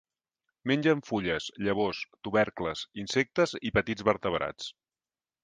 Mengen fulles, llavors, tubercles, insectes i petits vertebrats.